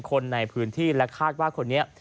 คนในพื้นที่และคาดว่าคนนี้